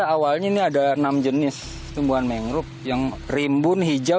awalnya ini ada enam jenis tumbuhan mangrove yang rimbun hijau